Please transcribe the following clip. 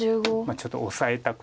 ちょっとオサえたくなって。